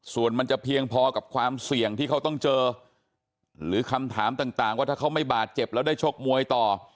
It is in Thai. ส่วนมันจะเพียงพอกับความเสี่ยงที่เขาต้องเจอหรือคำถามต่างว่าถ้าเขาไม่บาดเจ็บแล้วได้ชกมวยต่อ